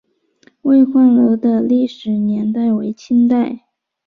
巍焕楼的历史年代为清代。